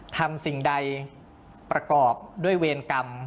สิ่งใดประกอบด้วยเวรกรรม